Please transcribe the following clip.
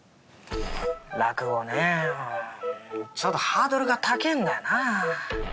「落語ねちょっとハードルが高えんだよな」。